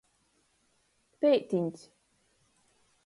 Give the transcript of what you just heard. Peitiņs.